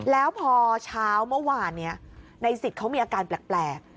แล้วพอเช้าเมื่อวานนี้ในสิทธิ์เขามีอาการแปลก